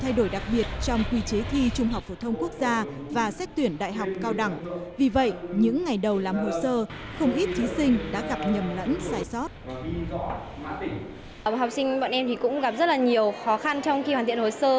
học sinh bọn em cũng gặp rất nhiều khó khăn trong khi hoàn thiện hồ sơ